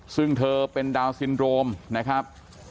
ซึ่งเธอเป็นดาวนซินโรมนะครับ